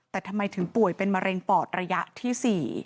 แต่ทำไมถึงป่วยเป็นมะเร็งปอดระยะที่๔